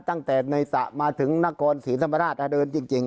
ตั้งแต่ในสระมาถึงนครศรีธรรมราชเดินจริง